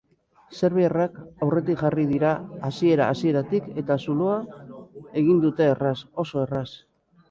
Serbiarrak aurretik jarri dira hasiera-hasieratik eta zuloa egin dute erraz, oso erraz.